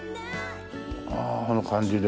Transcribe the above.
あああの感じで。